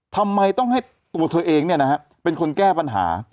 ทำไมต้องให้ตัวเธอเองเป็นคนแก้ปัญหา